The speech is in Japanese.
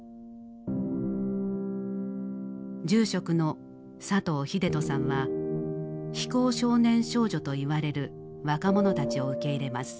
住職の佐藤秀人さんは「非行少年・少女」と言われる若者たちを受け入れます。